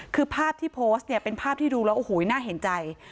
คือภาพที่โพสต์เนี่ยเป็นภาพที่ดูแล้วโอ้โหน่าเห็นใจ